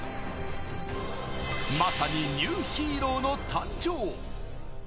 まさにニューヒーローの誕生。